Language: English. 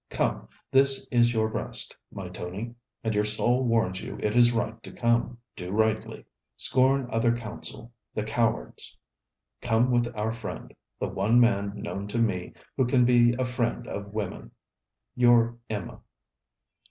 Come. This is your breast, my Tony? And your soul warns you it is right to come. Do rightly. Scorn other counsel the coward's. Come with our friend the one man known to me who can be a friend of women. 'Your EMMA.'